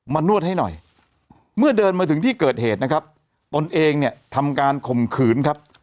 นวดให้หน่อยเมื่อเดินมาถึงที่เกิดเหตุนะครับตนเองเนี่ยทำการข่มขืนครับ